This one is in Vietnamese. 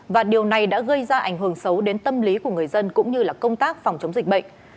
và điều này đã gây ra ảnh hưởng xấu đến tâm lý của người dân cũng như công tác phòng chống dịch bệnh